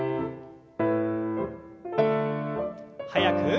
速く。